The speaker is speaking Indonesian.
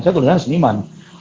saya tulisannya seniman